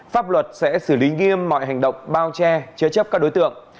pháp luật sẽ xử lý nghiêm mọi hành động bao che chế chấp các đối tượng